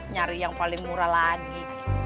nyari yang paling murah lagi